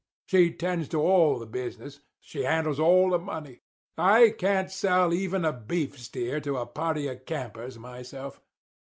She 'tends to all the business; she handles all the money; I can't sell even a beef steer to a party of campers, myself.